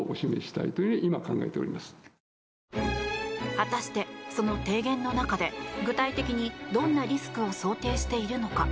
果たして、その提言の中で具体的にどんなリスクを想定しているのか。